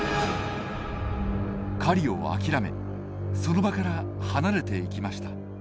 狩りを諦めその場から離れていきました。